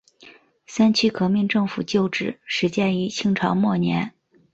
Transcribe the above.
三区革命政府旧址始建于清朝末年。